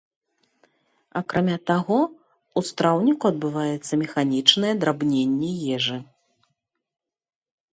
Акрамя таго, у страўніку адбываецца механічнае драбненне ежы.